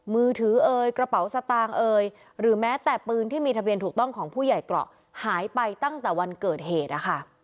มือถือเอ่ยกระเป๋าสตางค์เอ่ยหรือแม้แต่ปืนที่มีทะเบียนถูกต้องของผู้ใหญ่เกราะหายไปตั้งแต่วันเกิดเหตุนะคะ